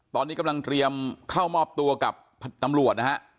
ตอนนี้กำลังเตรียมเข้ามอบตัวกับตำรวจนะฮะ